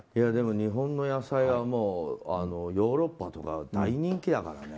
日本の野菜はヨーロッパとか大人気だからね。